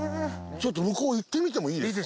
ちょっと向こう行ってみてもいいですか？